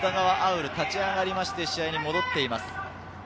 潤、立ち上がりまして試合に戻っています。